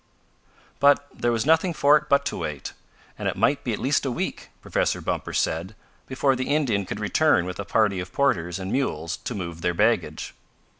But there was nothing for it but to wait, and it might be at least a week, Professor Bumper said, before the Indian could return with a party of porters and mules to move their baggage.